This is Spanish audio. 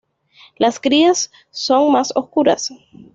Las crías son más oscuras.